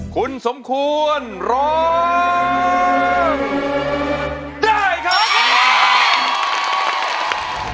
คุณสมควรร้องได้ครับ